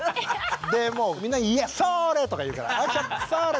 でもうみんな「いやそれ！」とか言うから「それ！」